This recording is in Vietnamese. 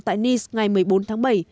tại nice ngày một mươi bốn tháng bảy